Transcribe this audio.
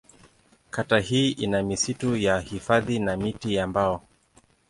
Kata hii ina misitu ya hifadhi na miti ya mbao.